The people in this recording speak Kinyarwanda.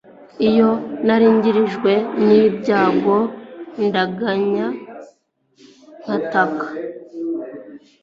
iyo nagirijwe n’ibyago ndaganya ngataka